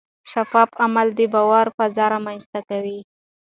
شفاف عمل د باور فضا رامنځته کوي.